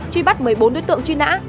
truy bắt một mươi bốn đối tượng truy nã